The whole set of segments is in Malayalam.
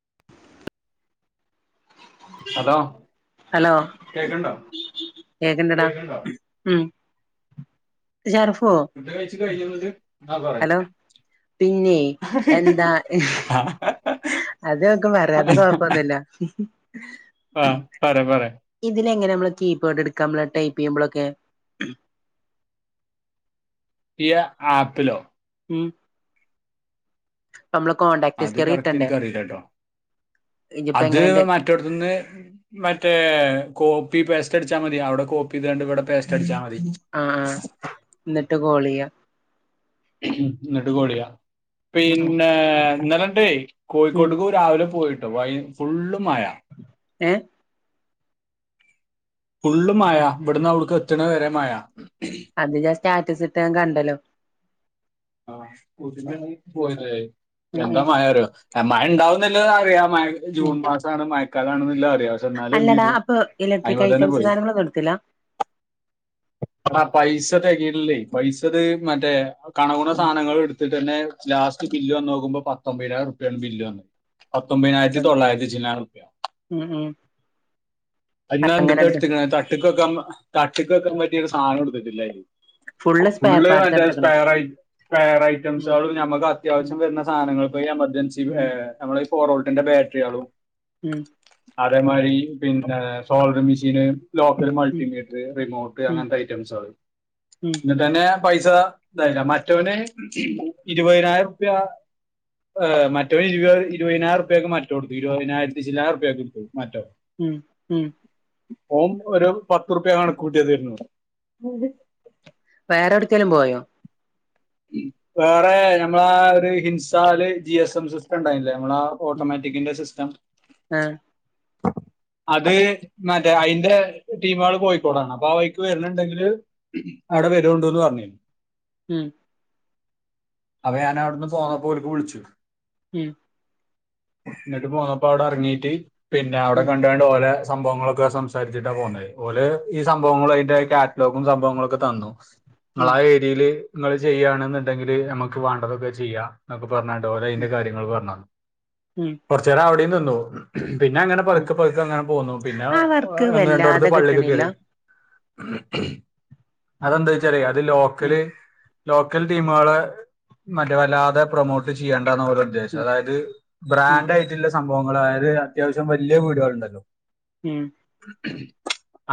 [inaudible] ഹലോ ഹലോ കേക്കണ്ടോ കേക്കെണ്ടാ ടാ. കേക്കണ്ടോ ഉം ഷർഫോ ഫുഡ് കഴിച്ച് കഴിഞ്ഞിട്ട് ആ പറയാം ഹലോ? പിന്നെ എന്താ? അത് നോക്കും പറയാ, അത് കൊഴപ്പൊന്നുമില്ല. ആഹ് പറ, പറ, ഇതിലങ്ങെ നമ്മൾ കീപാഡ് എടുക്കാ? ടൈപ്പ ചെയ്യുമ്പോഴൊക്കെ? ഈ ആപ്പിലോ? ഉം. അപ്പോ നമ്മളെ കോൺടാക്ട് അത് ഹിസ്റ്ററി കറക്റ്റ് കിട്ടണ്ടേ, എനിക്കറിയില്ല കേട്ടോ നിയിപ്പോ എങ്ങനെന്റെ- ഒറ്റടുത്തന്ന്- മറ്റേ കോപ്പി പേസ്റ്റ് അടിച്ചാൽ മതി. അവിടെ കോപ്പി, ഇത് രണ്ട് ഇവിടെ പേസ്റ്റ് അടിച്ചാ മതി. ആഹ് ആഹ് എന്നിട്ട് കോൾ ചെയ്യാം ഇങ്ങട്ട് കോളിയോ? ഉം ഉം പിന്നെ ഇന്നലണ്ടേ ഉം കോഴിക്കോട്ട് രാവിലെ പോയിട്ടോ വൈ ഫുള്ള് മഴ ഏഹ് ഫുള്ള് മഴ ഇവിടുന്ന് അവിടുക്ക് എത്ത്ണ വരേ മഴ അത് ഞാൻ സ്റ്റാറ്റസ് ഇട്ട് കണ്ടല്ലോ ആഹ് സ്കുട്ടിമേ ഞാൻ പോയില്ലേ ഉം എന്താ ഉം മഴ അറിയോ മഴണ്ടാവുന്നില്ലത് അറിയാം മഴ ഉം ജൂൺ മാസമാണ് മഴക്കാലാണെന്നലത് അറിയാ അല്ലടാ അപ്പൊ ഇലക്ട്രിക് ഐറ്റംസ് പോയി സാധയങ്ങളൊന്നും എടുത്തില്ല ആഹ് പൈസ തെകഞ്ഞില്ലേ പൈസത് മറ്റേ കണകുണ ഉം സാധനങ്ങൾ എടു ത്തിട്ട് തന്നെ ലാസ്റ്റ് ബില്ല് വന്ന് നോക്കുമ്പോ പത്തൊമ്പതിനായിരം രുപയാണ് ബില്ല് വന്നെ പത്തൊമ്പതിനായിരത്തി തൊള്ളായിരത്തി ചില്ലാന റുപ്യ ഉം ഉം അതീന്ന് അങ്ങനെ എടുത്ത് എതെടുതുക്കുണ് തട്ടക്ക് വെക്കാ തട്ട് വക്കാൻ പറ്റിയൊരു സാധനം എടുത്തിട്ടില്ലായി സ്പെയർ ഫുള്ള് പാർട്സ് മറ്റേ എടുത്ത്ക്ക്ണ് റസ്പയറായി സ്‌പെയർ ഉം ഐറ്റംസകും ഞമ്മുക്ക് ഉം അത്യാവശ്യം വരുന്ന സാധനങ്ങൾ ഇയി എമർജൻസി ഉം എ നമ്മള് ഈ ഫോറൊൾട്ടിന്റെ ബാറ്ററികളും ഉം അതേ മാരി പിന്നെ സോളര് മിഷീന് ലോക്കൽ ഉം മൾട്ടി മീറ്ററ്‌ റിമോട്ട് ഉം അങ്ങൻത്തെ ഐറ്റംസാള് ഉം ടനെ പൈസ ഇതായില്ല മറ്റവന് ഇരുപതിനായിരം ർപ്യ ങ് മറ്റൊ ഇരുപത് ഇരുപതിനായിപൊക്കെ മറ്റ കൊടുത്തു ഇരുപതിനായിരത്തി ചിലാറ്പയൊക്കെ എടുത്ത് മറ്റോ ഉം ഉം ഓർ ഒരു പത്ത് ർപ്യ കണക്ക് കൂട്ടിതയ്നു വേറെ എവിടുക്കേലും പോയോ? വേറെ ഞമ്മളാ ഒരു ഹിൻസാല് ജി എസ് എം സിസ്റ്റം ഉണ്ടായില്ലേ നമ്മളാ ഉം ഓട്ടോമാറ്റിക്കിന്റെ സിസ്റ്റം ആഹ് അത് മറ്റേ അതിന്റെ ടീംമാള് കോഴിക്കോടാണ് അപ്പൊ ആഹ് വയ്ക്ക് വര്ണുണ്ടെങ്കില് ഉം അവിടെ വരോണ്ടുന്ന് പറഞ്ഞിന്നു ഉം അപ്പോ ഞാൻ അവിടുന്ന് പോന്നപ്പോൽ ക്ക് വിളിച്ചു ഉം എന്നിട്ട് പോന്നപ്പോ അവിടെ ഇറങ്ങീട്ട് പിന്നെ അവിടെ ഉം കണ്ടണ്ട് ഓലെ സംഭവങ്ങളൊക്കെ സംസാരിച്ചിട്ടാ പോന്നത് ഓല ക ഈ സംഭവങ്ങൾ അതിന്റെ കാറ്റ്ലോഗും സംഭവങ്ങളും ഒക്കെ തന്നു നിങ്ങ ഉം ആ ഏരിയയിൽ നിങ്ങൾ ചെയ്യയാണെന്നുണ്ടെങ്കില് നമുക്ക് വേണ്ടതൊക്കെ ചെയ്യാ എന്നൊക്ക പറഞ്ഞട്ടത് പോലെ ഉം അതിന്റെ കാര്ങ്ങൾ പറഞ്ഞ ഉം കുറച്ചേരം അവിടെ നിന്നു പിന്നെ അങ്ങനെ ഉം പുക്ക് പുക്ക അങ്ങനെ പോന്നു പിന്നെ ആ വർക്ക് ഒന്ന് രണ്ടടത്ത് വല്ലാതെ പള്ളക്ക് കിട്ടണില്ല കേറി അതെന്താച്ചലെ അത് ഉം ലോക്കല് ലോക്കൽ ടീമുകളെ മറ്റെ വല്ലാതെ പ്രൊമോട്ട് ചെയ്യേണ്ടന്ന ഒരു ഉദ്ദേശം ഉം അതായത് ഉം ബ്രാൻഡ് ആയിട്ട്ള്ള സംഭവങ്ങൾ അതായത് അത്യാവശ്യം വലിയ വീടുകളുണ്ടല്ലോ ഉം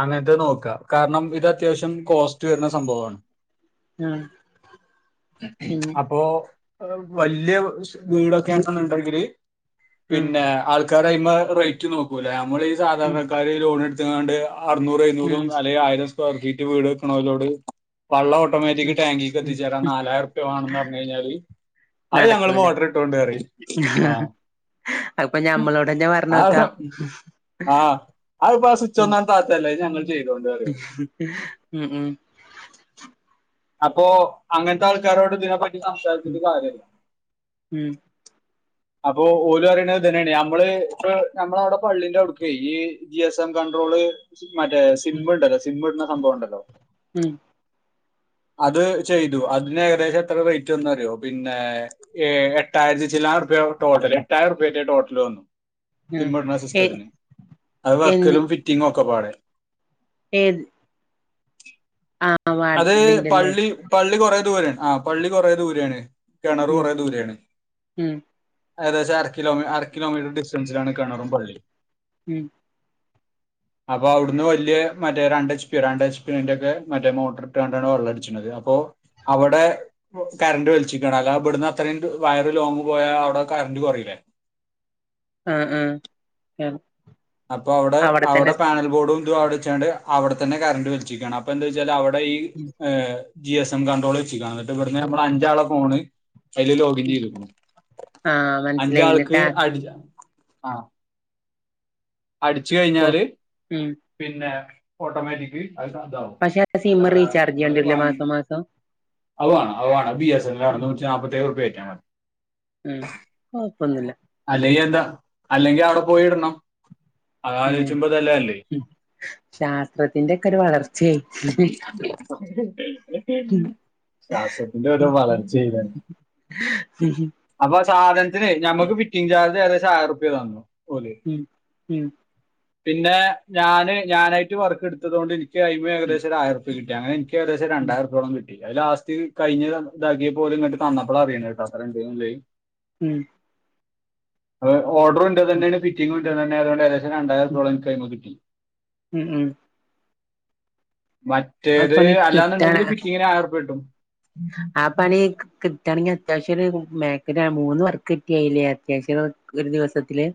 അങ്ങൻത്തെ നോക്കാം കാരണം ഇത് അത്യാവശ്യം കോസ്റ്റ് വരുന്ന സംഭവണ് ആഹ് പിന്നെ അപ്പോ വല്യ വീടൊക്കെ ആണ്ന്നുണ്ടെങ്കില്. ഉം പിന്നെ ആൾക്കാര് അഴിമെ റെയ്റ്റ് നോക്കൂല്ല. നമ്മൾ ഈ ഉം സാധാരണക്കാര് ലോൺ ഇടു റ്റ്കാണ്ട് അറുന്നൂറ് ഉം എഴുന്നൂറും ഉം അല്ലെ ആയിരം സ്ക്വയർ ഫീറ്റ് വീട് വെക്ക് ണോലോട് വള്ളം ഓട്ടോമേറ്റിക് ഉം ഉം ടാങ്കിക്ക് എത്തിച്ചേരാം നാലായിരറ്പ്യ മാണംന്ന് പറഞ് കഴിഞ്ഞാല് അത് ഞങ്ങള് നടക്കൂല മോട്ടറ് ഇട്ടോണ്ട് പ റിം. ആഹ് അത്പ്പൊ ഞമ്മളോടന്നെ പറഞ്ഞോക്ക അഹ് ഇപ്പാ സുച്ചൊന്ന് അണ്ട് താത്ത അയ്ല് ഞങ്ങൾ ചെയ്തോണ്ട് പറയും ഉം ഉം അപ്പൊ അങ്ങൻത്തെ ആൾക്കാരോട് ഇതിനെപ്പറ്റി ഉം സംസാരിച്ച്ട്ട്‌ കാര്യല്ല. ഉം അപ്പൊ ഓലറിയണ ഇതെന്നേണ്. നമ്മള് ഇപ്പ നമ്മളവിടെ പള്ളിന്റെ ഔട്ക്കേ ഈ. ജിയസം കൺണ്ട്രോള് മറ്റെ ഉം സിമ്ണ്ടല്ലോ സിം ഇട്ണ സംഭവം ഇണ്ടല്ലൊ. ഉം അത് ചെയ്തു. അതിന് ഏകദേശം എത്ര റേയ്റ്റ് വന്നു അറ്യാെ. പിന്നെ ഏ എട്ടായിരത്തി ചിലാനൊറ്പ്യ ടോട്ടല് എട്ടായിരറ്പ്യേറ്റെ ടോട്ടല് വന്നു ഉം സിമ്മ്ട്ണ ഏ സിസ്റ്റത്തിന്. അത് എന്ത് വെക്കലും ഫിറ്റിങ്ങും ഒക്കെ പാടെ. ഏത് ആ വാ അത് ഇതിന്റെല്ലേ പള്ളി പള്ളി കൊറേ ദൂരേണ്. ആ പള്ളി കൊറേ ദൂരേണ്. കെണറ് ഉം കൊറേ ദൂരേണ്. ഉം ഏകദേശം അര കിലോ അര കിലോമീറ്റർ ഡിസ്റ്റൻസിലാണ് കെണ്ണറും പള്ളി ഉം അപ്പൊ ഔട്ന്ന് വെല്യ മറ്റെ രണ്ടച്ച് പി രണ്ട്ച്ച് പ്പിന്റെ ഒക്കെ മറ്റെ മോ ഇട്ടാണ്ടണ് വള്ളട്ച്ച്ണത് അപ്പോ അവടെ കറണ്ട് വൽച്ചിക്കാണ്. അല്ലാ ഇബട്ന്ന് അത്രയും വയറ് ലോങ് പോയാ ഔടെ കറന്റ് കൊറീല്ലെ ആ ആ അപ്പൊ ഔടെ അവിടെത്തന്നെ ഔടെ പാനൽ ബോഡും തും ഔടെ വച്ചാണ്ട് അവ്ടെ തന്നെ കറണ്ട് വൽച്ച്ക്കാണ്. അപ്പൊ എന്താ വെച്ചാല് അവി ഇവിടെ ഈ ഉം ജി എസ് എം കൺണ്ട്രോള് വെച് കാണ. ഇന്നട്ട് ഇവട്ന്ന് നമ്മളെ അഞ്ചാളെ ഫോണ്. അയ്ല് ലോഗിൻ ഉം ചെയ്ത്ക്ക്ണ്. ആഹ് മനസ്സിലായി എന്നിട്ട് അഞ്ചാൾക്ക് അടി ആഹ് അടിച്ച് ആക്കോ കഴിഞ്ഞാല് ഉം പിന്നെ ഓട്ടോമാറ്റിക്ക് അത് ഇതാവും. പക്ഷെ എന്താ സിംമ് പറയാ റീചാർജ് ചെയ്യെണ്ട്യേ രൂലെ മാസം മാസം. അവ്വാണ് അവ്വാണ് ബി എസ് എൽ ആ ഉം നൂറ്റി നാപ്പത്തേയ് ഉറ്പ്യ കേറ്റ്യാമതി. ഉം കൊഴപ്പൊന്ന്ല്ല അല്ലെങ്കി എന്ത അല്ലെങ്കി ഔടെ പോയി ഇടണം. അതാലോചിക്കുമ്പോ ഇതെല്ലാം അല്ലേ ഉം ശാസ്ത്രത്തിന്റെ ഒക്കെ ഒരു വളർച്ചെ അ [unintelligible] എ ശ്വാസത്തിന്റെ ഒരു വളർച്ച [unintelligible] താണ് ഉം അപ്പൊ സാധൻത്തിന് ഞമ്മക്ക് ഫിറ്റിങ് ചാർജ് ഏകദേശം ആയിരര്പ്യ തന്നു. ഓല് ഉം ഉം പിന്നെ ഞാന് ഞാനായിട്ട് വർക്ക് ഇട്ത്തതോണ്ട് ഇൻ കയിമ ഏകദേശം ആയിരം കിട്ടി. അങ്ങെനെ ഇൻക്ക് ഏകദേശം രണ്ടായിരം കിട്ടി. അത് ലാസ്റ്റ് കഴിഞ് ഇതാക്ക്യേപ്പ ഓല് ഇങ്ങട്ട് തന്നപ്പള അറിണ്ട്ടൊ അത്രണ്ട് ന്ന്ല്ലെത്. ഉം ഓഡ്രു ഇന്റതന്നേണ്. ഫിറ്റിംഗ്‌ ഇന്റതന്നെ. അതുകണ്ട് ഏകദേശം രണ്ടായിരം ഉം ഉർപ്യാേളം ഇൻക്കയ്മെകിട്ടി. ഉം ഉം ആ മറ്റേത് പണി അല്ലാന്ന്ണ്ടെങ്കി ഫിറ്റിംഗിന് ആയിരൊറ്പ്യ കിട്ടും. ആപ്പ. പണി കിട്ടുകയാണെങ്കിൽ അത്യാവശ്യം ഒരു മേ മൂന്ന് വർക്ക് കിട്ടിയായില്ലേ അത്യാവശ്യം ഒരു ദിവസത്തില്.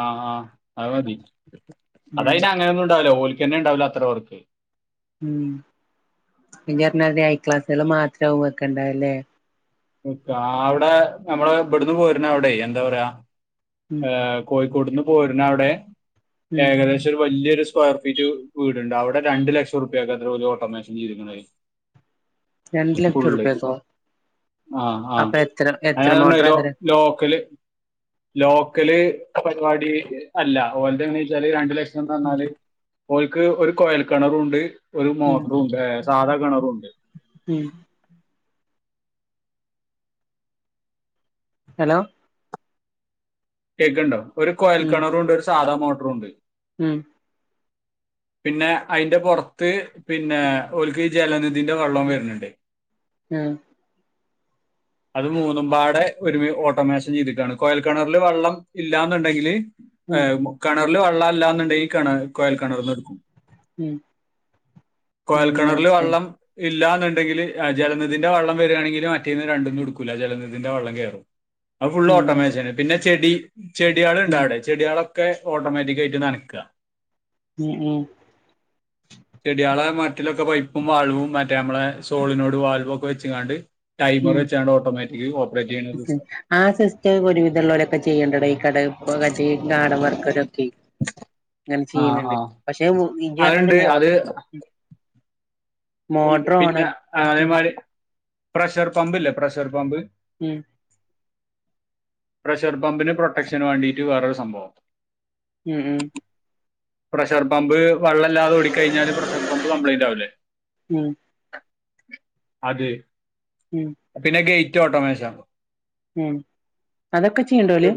ആഹ് ആഹ് അത് മതി ഉം അതായിന് അങ്ങനെയൊന്നും ഉണ്ടാവില്ല ഓൽക്ക് തന്നെ ഉണ്ടാവില അത്ര വർക്ക്. ഉ പിഞ്ഞാ ഐ ക്ലാസ്സുകള് മാത്ര വെക്കണ്ടാവല്ലേ. അവിടെ നമ്മള ഇവിടുന്ന് പോരുന്ന അവിടെ എന്താ പറയാ. ഉം കോഴിക്കോട്ന്ന് പോരുന്ന അവിടെ ഉം ഏകദേശര് വലിയൊരു. സ്ക്വയർ ഫീറ്റ് വീടുണ്ട് അവിടെ രണ്ട് ലക്ഷം ഉർപേകാത്ര ഓല് ഓട്ടോമേഷൻ ചെയ്ത്ക്ക്നത്. രണ്ട് ലക്ഷം റുപ്യക്കോ ആ ആ അങ്ങനെ ലോ ലോക്കല് ലോക്കല് പരിപാടി അല്ല ഓലതെങ്ങനെ വെച്ചാല് രണ്ട് ലക്ഷം എന്ന ഉം റഞ്ഞാല്. ഓൽക്ക് ഒരു കുയൽ കിണറുംണ്ട് ഒരു ഉം മോട്ടറും ഉണ്ട് സാധാ കിണറുംണ്ട്. ഉം ഹലോ. കേക്കണ്ടോ ഒരു കോയൽ ഉം കിണറും ഉണ്ട് ഒരു സാധാ മോട്ടറും ഉണ്ട്. ഉം പിന്നെ അയിന്റെ പുറത്ത് പിന്നെ ഒൽക്ക് ജലനിധിന്റെ വെള്ളം വരുന്നുണ്ട്. ഏ അത് മൂന്നും പാടെ ഒരുമി ഓട്ടോമേഷൻ ചെയ്തിക്കാണ് കോയൽക്കണറില് വെള്ളം ഇല്ലന്നുണ്ടെങ്കിൽ. ഉം ഉം കിണറില് വെള്ളല്ലാന്നുണ്ടങ്കി കിണറ്. കോയൽക്കിണർന്ന് എടുക്കും ഉം കോയൽക്കിണറില് മനസ്സിലായി വള്ളം. ഇല്ല എന്നുണ്ടെങ്കിൽ ജലനിധിന്റെ വള്ളം വരികയാണെങ്കിൽ മറ്റേന്ന് രണ്ട്ന്നും ഇടുക്കില്ല ജലനിധിന്റെ വള്ളം കയറും. അത് ഫുള് ഉം ഓട്ടോമാഷണ് പിന്നെ ചെടി ചെടികൾ ഉം ഇണ്ടവിടെ. ചെടികളൊക്കെ ഓട്ടോമാറ്റിക് ആയിട്ട് നനക്ക. ഉം ഉം. ചെടികളെ മൊർറ്റിലൊക്കെ പൈപ്പും വാൾവും മറ്റേ നമ്മളെ സോളിനോട് വാൾവ ഒക്കെ വെച്കാണ്ട്. ടൈമർ ഉം വെച്ചാണ് ഓട്ടോമാറ്റിക്കില് ഓപ്പറേറ്റ് ചെയ്യുന്ന ഒരു ഉം സിസ്റ്റ് ആ സിസ്റ്റം ഒരുവിധംള്ളവരൊക്കെ ചെയ്യേണ്ടട ഈ കടത്തെ ഗാർഡൻ വർക്കരൊക്കെ. അങ്ങനെ ആഹ് ചെയ്യുന്നുണ്ട് ആഹ് പക്ഷെ ഇജ് പറഞ്ഞമാതിരി അതുണ്ട് അത് മോട്ടർ. ഓണാ പിന്നെ ഉം അതേമാതിരിപ്രഷർ പമ്പ് ഇല്ലേ പ്രഷർ പമ്പ്. ഉം പ്രഷർ പമ്പിന് പ്രൊട്ടക്ഷന് വേണ്ടിയിട്ട് വേറൊരു സംഭവം. ഉം ഉം. പ്രഷർ പമ്പ് വെള്ളംല്ലാതെ ഓടിക്ക കഴിഞ്ഞാല് പ്രഷർ പമ്പ് കംപ്ലൈന്റ് ആവൂല്ലേ. ഉം അത്. ഉം. പിന്നെ ഗേറ്റോട്ടോമേഷോ. ഉം അതൊക്കെ ചെയ്ണ്ട ഓല്.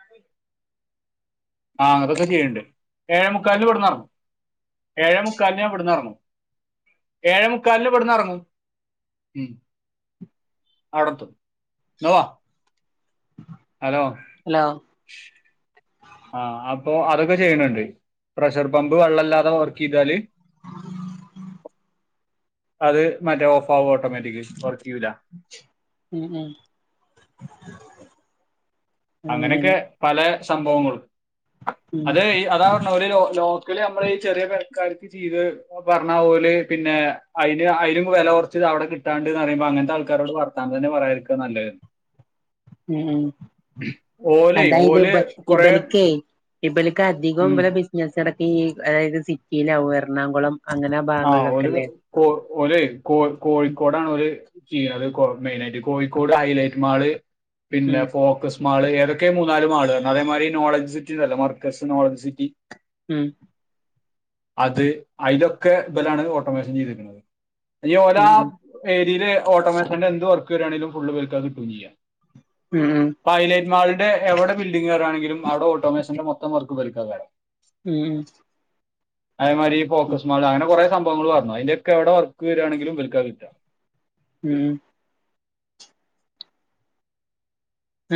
അണെ ആഹ് അതൊക്കെ ചെയ്യണ്ട് ഏഴേ മുക്കാലിന് ഇവിടന്ന്റങ്ങു ഏഴേമുക്കാലിന് ഞാൻ ഇവിടന്ന്റങ്ങു. ഏഴേ മുക്കാലിന് വിടന്ന് ഇറങ്ങൂ. അവടത്തും ന്ന വാ ഹലോ ഹലോ ആഹ് അപ്പൊ അതൊക്കെ ചെയ്യണണ്ട് പ്രഷർ പമ്പ് വെള്ളല്ലാതെ വർക്ക് ചെയ്താല്. ഉ [unintelligible] അത് മറ്റേ ഓഫ് ആവും ഓട്ടോമാറ്റിക് വർക്ക് ചെയ്യൂല ഉം ഉം അങ്ങനെയൊക്കെ അങ്ങനെ പല സംഭവങ്ങളും ഉം അത് അതാ ഒര് ലോ ലോക്കല് നമ്മളി ചെറിയ പെരക്കാർക്ക് ചെയ്ത് പറഞ്ഞാ ഓല് പിന്നെ അയിന് അയിലും വെല കൊറച്ചത് അവിടെ കിട്ടാണ്ട്ന്ന് പറയുമ്പോ അങ്ങനത്തെ ആൾക്കാരോട് വർ താൻ തന്നെ പറയാരിക്ക നല്ലേ ഉം ഓല് അതായത് ഓല് ഇബ കൊറേ ഇബല്ക്കേ ഇബലക്ക് അധികോം ഉം ഇബലെ ബി ഞാനിടക്ക് അതായത് സിറ്റിയിലാകും എറണാകുളം അങ്ങനെ ആ ആഹ് ഓല് ഭാഗങ്ങളിലൊക്കെല്ലേ കോ ഓലെയ് കോ കോഴിക്കോടാണോല് ചെയ്യണത് മെയിനയിട്ട് കോഴിക്കോട് ഹൈലൈറ്റ് മാള് പിന്നെ ഉം ഫോക്കസ് മാള് ഏതൊക്കെ മൂന്നാല് മാള്കള് അതേ മാരി നോളജ് സിറ്റിണ്ടല്ലോ മർക്കസ് നോളജ് സിറ്റി ഉം അത് അയിലൊക്കെ ബലാണ് ഓട്ടോമേഷൻ ചെയ്തിക്കണത് ഇഞ്ഞി ഓലാ ഉം ഏരീല് ഓട്ടോമേഷന്റെ എന്ത് വർക്ക് വരാണെലും ഫുള്ളിവൽക്ക കിട്ടും ചെയ്യാ ഉം പ്പൊ ഹൈലൈറ്റ് മാളിന്റെ എവിടെ ബിൽഡിംഗ് വരാണെങ്കിലും അവിടെ ഓട്ടോമേഷന്റെ മൊത്തം വർക്ക് ഇവര്ക്കേക്കാരം ഉം അതേമാരി ഈ ഉം ഉം ഫോക്കസ് മാള് അങ്ങനെ കുറെ സംഭവങ്ങൾ പറഞ്ഞു അയിന്റോക്കെ എവടെ വർക്ക് വരാണെങ്കിലും ഇവൽക്ക കിട്ട ഉം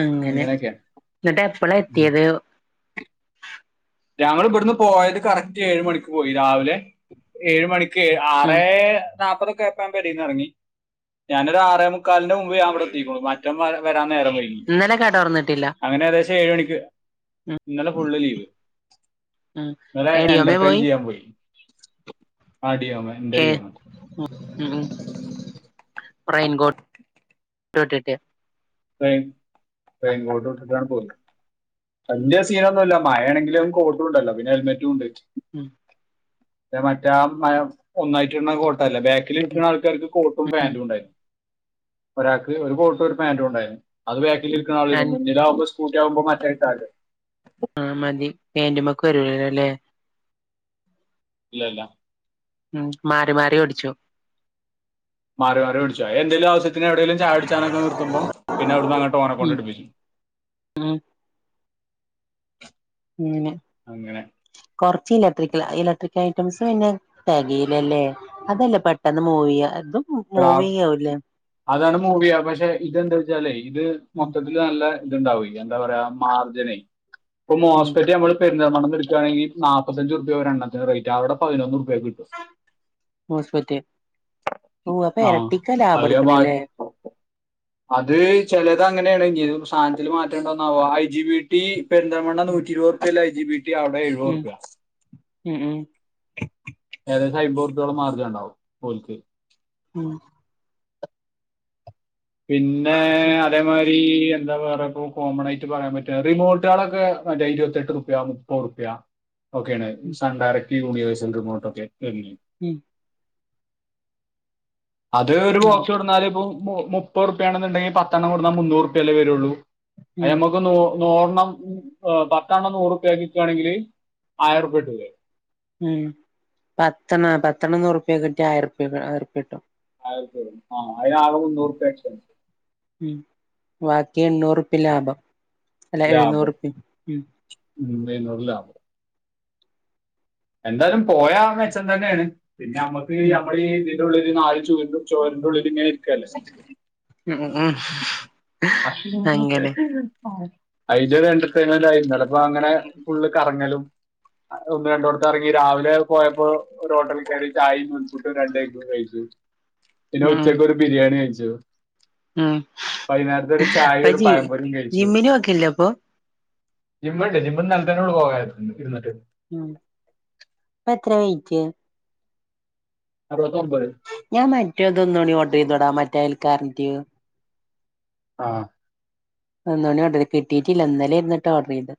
അങ്ങനെ അങ്ങനെയൊക്കെയാണ് ന്നട്ട് എപ്പളാ എത്തിയത് ഞങ്ങളിബിടുന്ന് പോയത് കറക്റ്റ് ഏഴ് മണിക്ക് പോയി രാവിലെ ഏഴ് മണി ക്ക് ഉം ആറേ നാല്പ്പതൊക്കെ ആയപ്പോ ഞാൻ പെരേന്ന് എറങ്ങി ഞാനൊരു ആറേ മുക്കാലിന്റെ മുമ്പ് ഞാവിടെ എത്തിക്ക്ണു മറ്റോൻ വരാൻ നേരം വൈകി ഇന്നലെ കട തൊറന്നിട്ടില്ല അങ്ങനെ ഏകദേശം ഏഴ് മണിക്ക് ഉം ഇന്നലെ ഫുള്ള് ലീവ് ഉം ഇന്നലെ എന്റർടൈൻ ചെയ്യാൻ പോയി ആടിയോമെ ഏഹ് ഉം ഉം റെയിൻ കോട്ട് ട്ടിട്ടിട്ട് റെയിൻ റെയിൻ കോട്ടുട്ടിട്ടാണ് പോവുന്നെ വല്യ സീനൊന്നുല്ല മഴാണെങ്കിലും കോട്ടുണ്ടല്ലോ പിന്നെ ഹെൽമെറ്റും ണ്ട് ഉം മറ്റേ ആഹ് മ ഒന്നായിട്ട്ട്ണ കോട്ടല്ലേ ബാ ഉം ബാക്കിലിരിക്കണ ആൾക്കാർക്ക് കോട്ടും ഉം പാന്റും ണ്ടായിരുന്നു ഒരാൾക്ക് ഒരു കോട്ടും ഒരു പാന്റു ഉണ്ടായിരുന്നു അത് ബാക്കിലിരിക്കണ ആളിടും അൻ മുന്നിലാവുമ്പോ സ്കൂട്ടി ആവുമ്പോ മറ്റേതിട്ട മതിയല്ലോ ആഹ് മതി പേന്റുമക്ക് വരുലല്ലോ അല്ലേ ഇല്ല ല്ല ഉം മാറി മാറി ഓടിച്ചുവൊ മാറി മാറി ഓടിച്ചും അതെന്തേലും ആവശ്യത്തിന് എവിടേലും ചായുടിച്ചാനൊക്കെ നിർത്തുമ്പോ പിന്നവിടുന്ന് അങ്ങട്ട് ഓനെ കൊണ്ട് ഉം ഇട്പ്പിച്ചും ഉം ങ്ങനെ അങ്ങനെ കൊറച്ച് ഇലക്ട്രിക്കൽ ഇലക്ട്രിക്കൽ ഐറ്റംസ് പിന്നെ തെകയിലല്ലേ അതല്ലേ പെട്ടെന്ന് മൂവെയ്യ അതും ഏതാ അതാണ് മൂവെയ്യ പക്ഷെ ഇതെന്താ വെച്ചാലേ ഇത് ഉം മൊത്തത്തിൽ ഇത് നല്ല ഇത്ണ്ടാവു എന്താ പറയാ മാർജിനേ ഇപ്പൊ ഉം മോസ്പറ്റിയ നമ്മൾ പെരിന്തൽമണ്ണ ന്ന് എടുക്കണെങ്കി നാൽപ്പത്തഞ്ചുർപ്യാ ഒരെണ്ണത്തിനെ റേറ്റ് അവിടെ പതിനൊന്നു ർപ്യക്ക് കിട്ടും മോസ്‌പെറ്റ് ഓഹ് അപ്പൊ ആ എരട്ടിക്ക അത് ഞാൻ ലാഭട്ക്ക്ണ്ല്ലേ ബാ- അത് ചെലത് അങ്ങനേണ്. ഇഞ്ഞി സാനത്തില് മാറ്റണ്ടോ ന്നാവോ I G B T Perinthalmanna ഉം നൂറ്റി ഇരുപത്റുപ്യള്ള ഐ ജി ബീ ട്ടി അവിടെ ഉം എഴുപതുർപ്യ. ഉം ഏകദേശം അയ്പത് ഉർപ്യോളം മാർജൻ ണ്ടാവും ഓല്ക്ക്. ഉം പിന്നെ ഉം അതേമായ്രി എന്താ പ റ കൊ കോമണ് ആയിട്ട് പറയാൻ പറ്റാ. റിമോട്ടേളൊക്കെ മറ്റേ ഇരുപത്തെട്ട് ഉർപ്യ മുപ്പത് ഉർപ്യ ഒക്കേണ് ഈ ഉം സണ് ഡയറക്റ്റ് യൂണിവേഴ്സൽ റിമോട്ടൊക്കെ വെര്ന്. ഉം അത് ഒരു ഉം ബോക്സ് കൊടുന്നാൽ ഇപ്പം മു മുപ്പത് ഉർപ്യയാണെന്നുണ്ടെങ്കി പത്തെണ്ണം കൊടുന്നാ മുന്നൂറുപ്യല്ലേ വരുള്ളൂ. ഉം അയമ്മ ക്ക് നൂ നൂറെണ്ണം ഏഹ് പത്തെണ്ണം നൂറുപ്യേക്ക് വിക്കാണെങ്കില ആയിര ഉർപ്യ കിട്ടൂല്ലേ. ഉം പത്തെണ്ണം പത്തെണ്ണം നൂറുപ്യേക്ക് വിറ്റാ ആയിര ഉർപ്യ ആയിര ഉർപ്യ കിട്ടും. ആഹ് ആയ്രൊർപ്യ വരും. അതിനാകെ മൂന്നൂറുപ്യ എക്സ്പെൻസ്. ഉം ബാക്കി എണ്ണൂറുപ്പ്യ ലാഭം അല്ല ലാഭം എഴുന്നൂറുപ്പിം ഉം. ഉം മെയിൻ റോഡിലാ എന്തായാലും പോയാ മെച്ചം തന്നേണ് പിന്നെ നമ്മക്ക് ഉം നമ്മളീ തി ൻ്റുള്ളില് നാല് ചുവരുൻ്റി ചോരിന്റെ ഉള്ളില് ങ്ങനെ ഇരിക്കല്ലേ. ഉം ഉം ആഹ് അയിന്റെ ഒരു എന്റർടൈമെന്റായി ഇന്നലെ വാങ്ങണെ ഉം ഫുള്ള് കറങ്ങലും ഒന്ന് രണ്ടോട്ത്ത് എറങ്ങി രാവിലെ പോയപ്പോ ഒരു ഹോട്ടല് കേറി ചായിം നൂൽപുട്ടും രണ്ടെഗും കഴിച്ചു. പിന്നെ ഉച്ചക്കൊരു ബിരിയാണി കഴിച്ചു. ആഹ് വൈന്നേരത്തൊരു ചായി ഒരു പഴം പൊരിം കഴിച്ചു. ജിമ്മിന് പോക്കില്ലേ അപ്പൊ ജിമ്മ് ണ്ട്, ജിമ്മ് ഇന്നലെ തന്നെ പോകാതിര് ഇര്ന്നിട്ട്. ഉം ഇപ്പെത്രെ വെയിറ്റ്? അറുപത്തി ഒമ്പത്. ഞാൻ മറ്റേതൊന്നൂടി ഓർഡർ ചെയ്തടാം മറ്റേ അയൽ കാരന്റിയും - ആഹ് ഒന്നൂടി ഓർഡർ കിട്ടീട്ടില്ല ഇന്നലേര്ന്നുട്ടോ ഓർഡർ ചെയ്ത്.